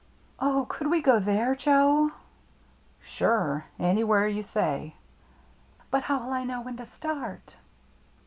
" Oh, could we go there, Joe ?"" Sure, anywhere you say." " But, how'll I know when to start